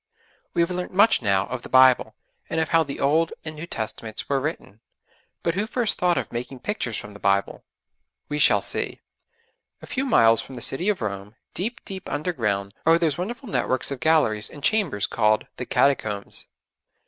We have learnt much now of the Bible, and of how the Old and New Testaments were written, but who first thought of making pictures from the Bible? We shall see. A few miles from the city of Rome, deep, deep underground, are those wonderful networks of galleries and chambers called 'The Catacombs.'